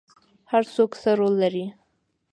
هر څوک څه رول لري؟